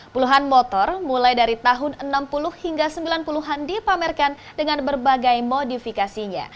puluhan motor mulai dari tahun enam puluh hingga sembilan puluh an dipamerkan dengan berbagai modifikasinya